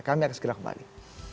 kami akan segera kembali